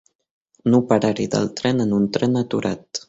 Un operari del tren en un tren aturat.